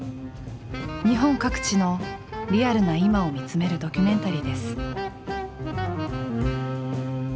日本各地のリアルな今を見つめるドキュメンタリーです。